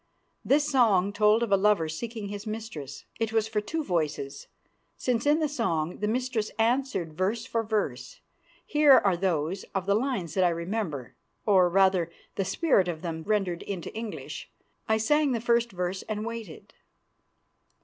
This song told of a lover seeking his mistress. It was for two voices, since in the song the mistress answered verse for verse. Here are those of the lines that I remember, or, rather, the spirit of them rendered into English. I sang the first verse and waited.